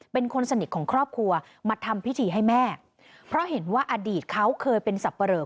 เป็นคนสนิทของครอบครัวมาทำพิธีให้แม่เพราะเห็นว่าอดีตเขาเคยเป็นสับปะเหลอ